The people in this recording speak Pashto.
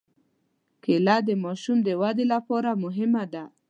کېله د ماشوم د ودې لپاره مهمه ده.